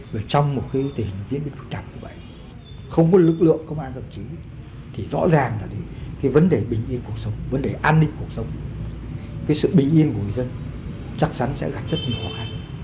và trong một cái tình hình diễn biến phức tạp như vậy không có lực lượng công an đồng chí thì rõ ràng là thì cái vấn đề bình yên cuộc sống vấn đề an ninh cuộc sống cái sự bình yên của người dân chắc chắn sẽ gặp rất nhiều khó khăn